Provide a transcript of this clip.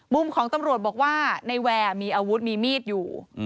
มุมของตำรวจบอกว่าในแวร์มีอาวุธมีมีดอยู่